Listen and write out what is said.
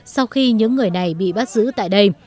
sau khi những người này bị bắt giữ tại đây